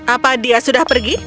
apa dia sudah pergi